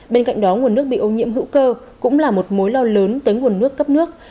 bên cạnh đó nguồn nước bị ô nhiễm hữu cơ cũng là một mối lo lớn tới nguồn nước cấp nước